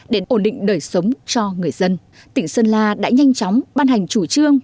để ổn định đời sống cho người dân tỉnh sơn la đã nhanh chóng ban hành chủ trương